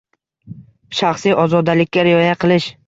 Shaxsiy ozodalikka rioya qilish.